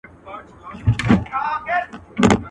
o چي په گوړه مري، په زهرو ئې مه وژنه.